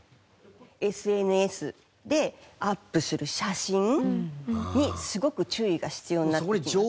ＳＮＳでアップする写真にすごく注意が必要になってきます。